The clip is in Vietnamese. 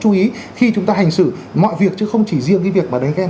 chú ý khi chúng ta hành xử mọi việc chứ không chỉ riêng cái việc mà đánh ghen